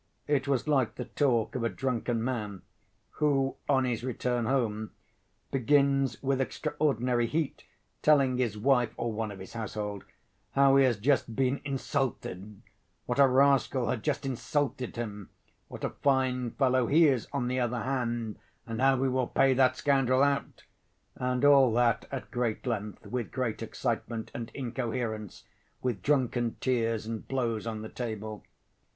It was like the talk of a drunken man, who, on his return home, begins with extraordinary heat telling his wife or one of his household how he has just been insulted, what a rascal had just insulted him, what a fine fellow he is on the other hand, and how he will pay that scoundrel out; and all that at great length, with great excitement and incoherence, with drunken tears and blows on the table.